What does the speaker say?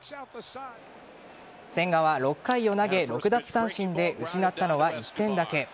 千賀は６回を投げ６奪三振で失ったのは１点だけ。